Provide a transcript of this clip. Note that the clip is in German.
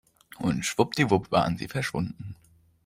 Und schwuppdiwupp waren sie verschwunden.